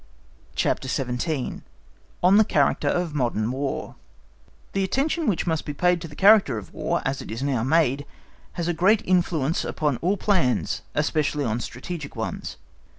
CHAPTER XVII. On the Character of Modern War The attention which must be paid to the character of War as it is now made, has a great influence upon all plans, especially on strategic ones.